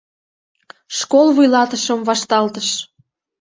Школ вуйлатышым вашталтыш.